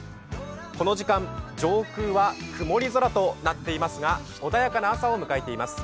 この時間、上空は曇り空となっていますが穏やかな朝を迎えています。